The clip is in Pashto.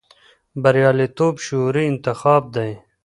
بریالیتوب شعوري انتخاب دی.